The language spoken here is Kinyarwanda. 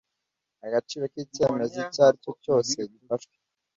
agaciro k icyemezo icyo aricyo cyose gifashwe